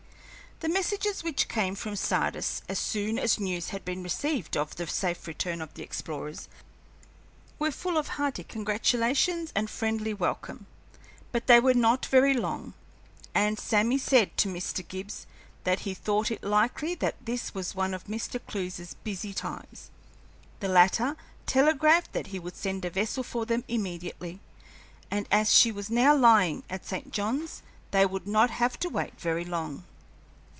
The messages which came from Sardis as soon as news had been received of the safe return of the explorers were full of hearty congratulations and friendly welcome, but they were not very long, and Sammy said to Mr. Gibbs that he thought it likely that this was one of Mr. Clewe's busy times. The latter telegraphed that he would send a vessel for them immediately, and as she was now lying at St. John's they would not have to wait very long.